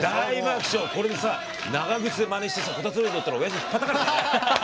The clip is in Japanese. これでさ長靴でまねしてさこたつの上に乗ったらおやじにひっぱたかれたよ。